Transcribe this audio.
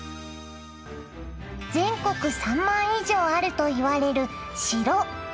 全国３万以上あるといわれる城。